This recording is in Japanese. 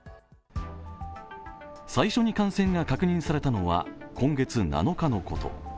最初に感染が確認されたのは今月７日のこと。